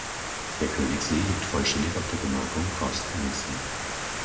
Der Königssee liegt vollständig auf der Gemarkung Forst Königssee.